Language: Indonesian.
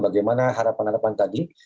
bagaimana harapan harapan tadi